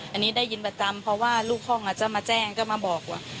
อันนี้ได้ยินประจำเพราะว่าลูกห้องจะมาแจ้งก็มาบอกว่า